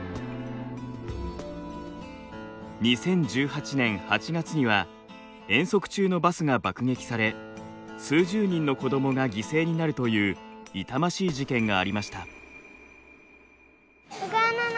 ２０１８年８月には遠足中のバスが爆撃され数十人の子どもが犠牲になるという痛ましい事件がありました。